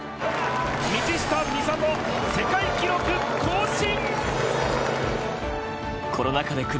道下美里、世界記録更新！